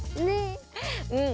うん。